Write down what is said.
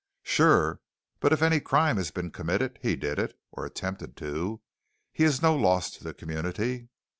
"Sure. But if any crime has been committed, he did it, or attempted to. He is no loss to the community."